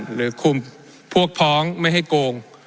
หรือคุมพวกพ้องไม่ให้โกง